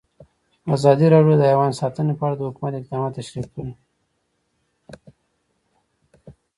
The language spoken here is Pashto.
ازادي راډیو د حیوان ساتنه په اړه د حکومت اقدامات تشریح کړي.